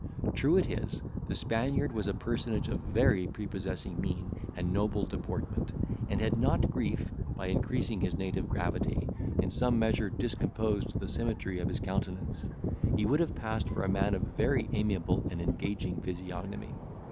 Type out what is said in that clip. True it is, the Spaniard was a personage of a very prepossessing mien and noble deportment; and had not grief, by increasing his native gravity, in some measure discomposed the symmetry of his countenance, he would have passed for a man of a very amiable and engaging physiognomy.